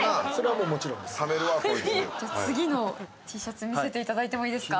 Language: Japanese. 次のＴシャツ見せていただいてもいいですか。